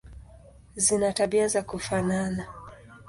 Zina tabia za kufanana.